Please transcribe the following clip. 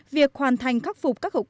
việc hoàn thành khắc phục các hậu quốc